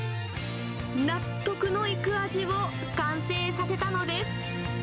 納得のいく味を完成させたのです。